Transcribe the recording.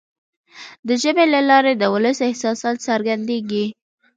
د ژبي له لارې د ولس احساسات څرګندیږي.